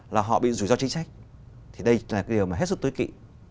là họ bị rủi ro chính sách thì đây là cái điều mà hết sức tối kỵ